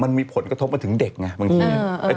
มันมีผลกระทบมาถึงเด็กไงบางที